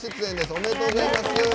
おめでとうございます。